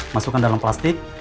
masukkan dalam plastik